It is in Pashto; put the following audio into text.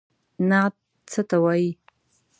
نعت څه ته وايي.